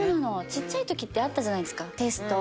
ちっちゃいときってあったじゃないですか。